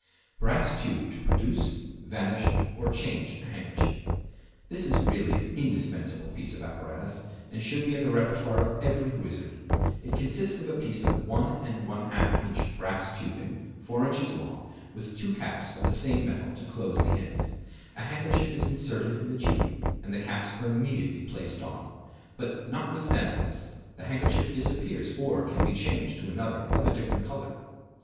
Brass Tube to Produce, Vanish, or Change a Handkerchief.—This is really an indispensable piece of apparatus and should be in the repertoire of every wizard. It consists of a piece of 1½in. brass tubing, 4 in. long, with two caps of the same metal to close the ends. A handkerchief is inserted in the tube and the caps are immediately placed on; but notwithstanding this, the handkerchief disappears, or can be changed to another of a different color.